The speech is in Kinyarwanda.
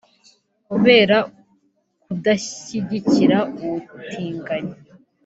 Kubera ukudashyigikira ubutinganyi